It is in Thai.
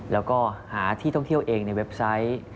แล้วก็หาที่ท่องเที่ยวเองในเว็บไซต์